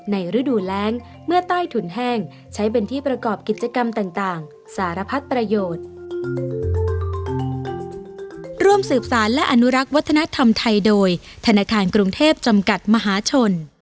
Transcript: ฤดูแรงเมื่อใต้ถุนแห้งใช้เป็นที่ประกอบกิจกรรมต่างสารพัดประโยชน์